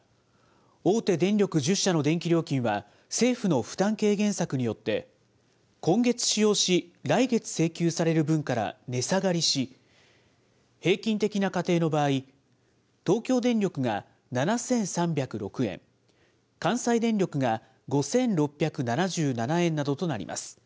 大手電力１０社の電気料金は、政府の負担軽減策によって、今月使用し、来月請求される分から値下がりし、平均的な家庭の場合、東京電力が７３０６円、関西電力が５６７７円などとなります。